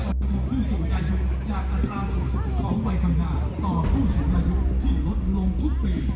ของผู้สุดยายุคจากอัตราส่วนของวัยคำนาต่อผู้สุดยายุคที่ลดลงทุกปี